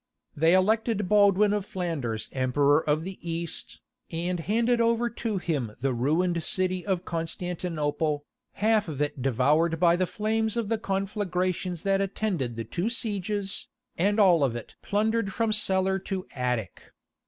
They elected Baldwin of Flanders Emperor of the East, and handed over to him the ruined city of Constantinople, half of it devoured by the flames of the conflagrations that attended the two sieges, and all of it plundered from cellar to attic.